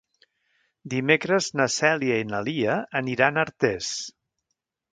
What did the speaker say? Dimecres na Cèlia i na Lia aniran a Artés.